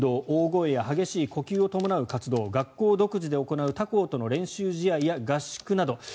大声や激しい呼吸を伴う活動学校独自で行う他校との練習試合や合宿など。